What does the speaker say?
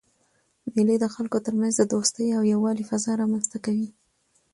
مېلې د خلکو ترمنځ د دوستۍ او یووالي فضا رامنځ ته کوي.